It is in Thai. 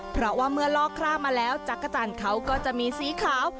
เพราะว่าเมื่อลอกคร่ามาแล้วจักรจันทร์เขาก็จะมีสีขาว